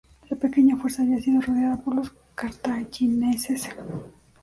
La pequeña fuerza había sido rodeada por los cartagineses.